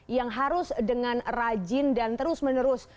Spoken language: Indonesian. yang harus dengan rajin dan terus menerus